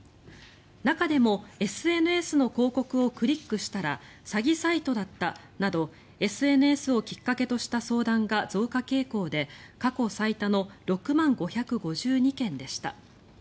中でもＳＮＳの広告をクリックしたら詐欺サイトだったなどＳＮＳをきっかけとした相談が増加傾向で過去最多の６万５５２件でした。